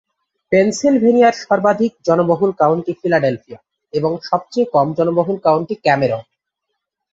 পেনসিলভেনিয়ার সর্বাধিক জনবহুল county Philadelphia এবং সবচেয়ে কম জনবহুল কাউন্টি ক্যামেরন।